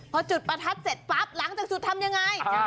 พอจุดประทัดเสร็จปั๊บหลังจากจุดทำยังไง